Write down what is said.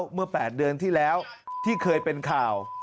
เมื่อ๘เดือนที่แล้วที่เคยเป็นข่าว